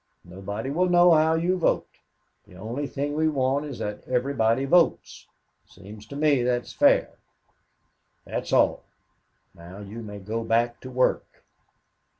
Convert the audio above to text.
Nobody will know how you vote. The only thing we want is that everybody votes. It seems to me that's fair. That's all. Now you may go back to work."